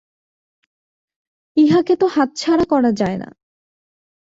ইহাকে তো হাতছাড়া করা যায় না।